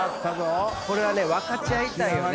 これはね分かち合いたいよね